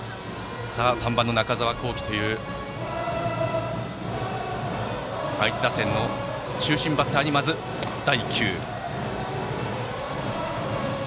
３番の中澤恒貴という相手打線の中心バッターが相手。